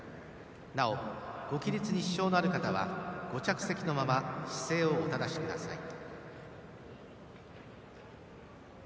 なお、ご起立に支障のある方はご着席のまま姿勢をお正しください。